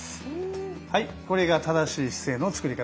はいこれが正しい姿勢の作り方になります。